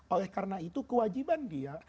oleh karena itu kewajiban dia